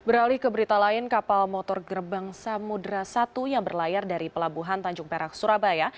beralih ke berita lain kapal motor gerbang samudera satu yang berlayar dari pelabuhan tanjung perak surabaya